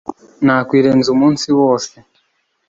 nakwirenza umunsi wose.